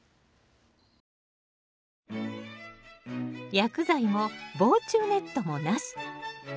薬剤も防虫ネットもなし。